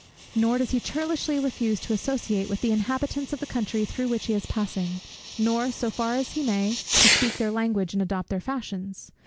Nor does he churlishly refuse to associate with the inhabitants of the country through which he is passing; nor, so far as he may, to speak their language, and adopt their fashions.